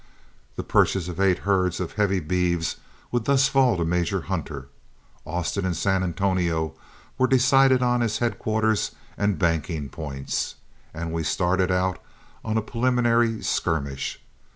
The purchase of eight herds of heavy beeves would thus fall to Major Hunter. Austin and San Antonio were decided on as headquarters and banking points, and we started out on a preliminary skirmish.